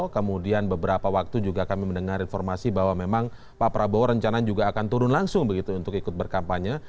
kemudian beberapa waktu juga kami mendengar informasi bahwa memang pak prabowo rencana juga akan turun langsung begitu untuk ikut berkampanye